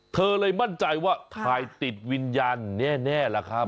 เธอเลยมั่นใจว่าถ่ายติดวิญญาณแน่ล่ะครับ